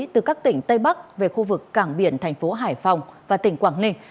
từ các tỉnh tây bắc về khu vực cảng biển thành phố hải phòng và tỉnh quảng ninh